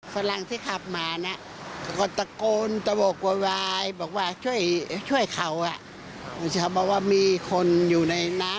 แป๊บเดียวตำรวจมาดังเก็บกู้ไภมา